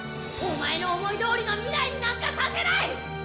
お前の思いどおりの未来になんかさせない！